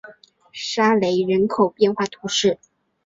沙雷人口变化图示